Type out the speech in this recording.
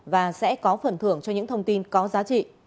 và sẽ có phần thưởng cho những thông tin có giá trị